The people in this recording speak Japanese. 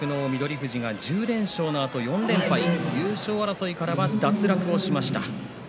富士が１０連勝のあと４連敗優勝争いからは脱落しました。